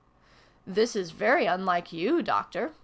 "This is very unlike you, Doctor!"